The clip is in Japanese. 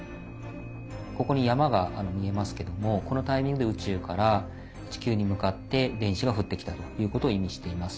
ここに山が見えますけどもこのタイミングで宇宙から地球に向かって電子が降ってきたということを意味しています。